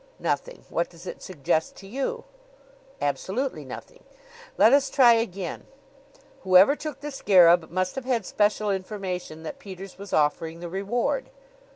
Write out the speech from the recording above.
"Nothing. What does it suggest to you?" "Absolutely nothing. Let us try again. Whoever took the scarab must have had special information that Peters was offering the reward."